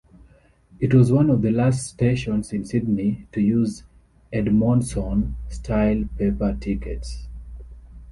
It was one of the last stations in Sydney to use Edmondson-style paper tickets.